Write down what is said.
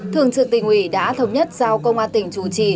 thường trực tỉnh ủy đã thống nhất giao công an tỉnh chủ trì